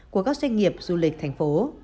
của các doanh nghiệp du lịch thành phố